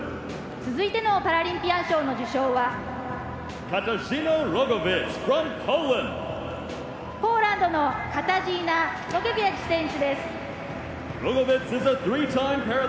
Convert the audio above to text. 続いてのパラリンピアン賞の受賞はポーランドのカタジーナ・ロゲヴィェジ選手。